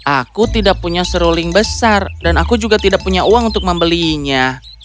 aku tidak punya seruling besar dan aku juga tidak punya uang untuk membelinya